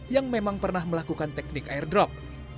yang memang pernah melakukan teknik airdrop